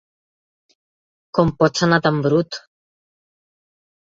Com pots anar tan brut!